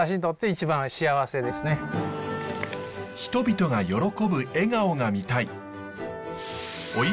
人々が喜ぶ笑顔が見たい。